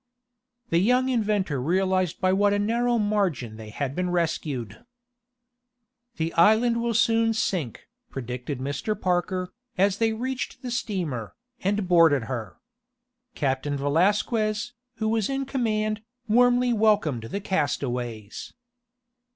The young inventor realized by what a narrow margin they had been rescued. "The island will soon sink," predicted Mr. Parker, as they reached the steamer, and boarded her. Captain Valasquez, who was in command, warmly welcomed the castaways.